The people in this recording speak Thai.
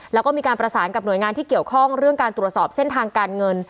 แล้วก็มีการประสานกับหน่วยงานที่เกี่ยวข้องเรื่องการตรวจสอบเส้นทางการเงิน